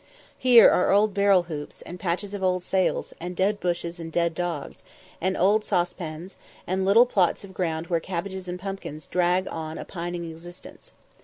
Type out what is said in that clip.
Here are old barrel hoops, and patches of old sails, and dead bushes and dead dogs, and old saucepans, and little plots of ground where cabbages and pumpkins drag on a pining existence.